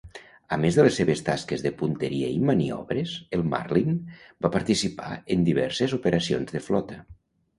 A més de les seves tasques de punteria i maniobres, el "Marlin" va participar en diverses operacions de flota.